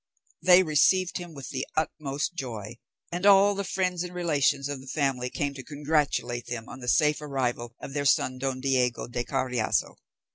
They received him with the utmost joy, and all the friends and relations of the family came to congratulate them on the safe arrival of their son Don Diego de Carriazo.